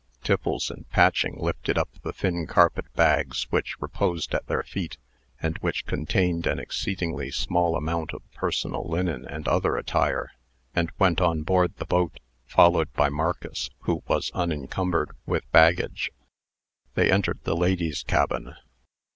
Tiffles and Patching lifted up the thin carpet bags which reposed at their feet, and which contained an exceedingly small amount of personal linen and other attire, and went on board the boat, followed by Marcus, who was unencumbered with baggage. They entered the ladies' cabin.